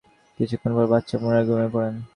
কিছুক্ষণ পর বাদশাহ পুনরায় ঘুমিয়ে পড়েন।